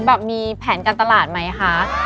แบบมีแผนการตลาดไหมคะ